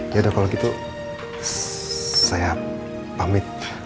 yaudah kalau gitu saya pamit